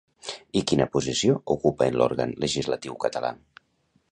I quina posició ocupa en l'òrgan legislatiu català?